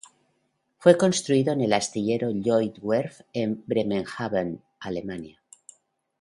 Fue construido en el astillero Lloyd Werft en Bremerhaven, Alemania.